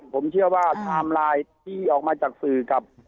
ผมเชื่อว่าไทม์ไลน์ที่ออกมาจากสื่อกับ